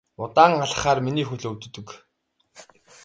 Удаан алхахлаар миний хөл өвддөг.